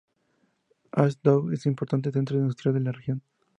Asdod es un importante centro industrial de la región.